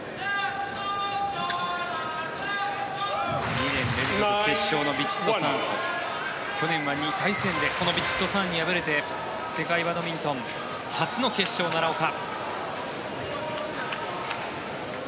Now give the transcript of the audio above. ２年連続決勝のヴィチットサーンと去年は２回戦でこのヴィチットサーンに敗れて世界バドミントン初の決勝奈良岡。